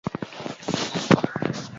Vikiwa ndio vimetokeo miaka minne tu nyuma